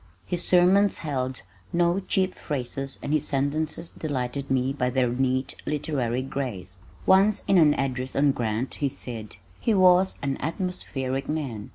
His sermons held no cheap phrases and his sentences delighted me by their neat literary grace. Once in an address on Grant he said, "He was an atmospheric man.